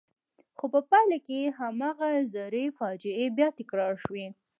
خو په پایله کې هماغه زړې فاجعې بیا تکرار شوې.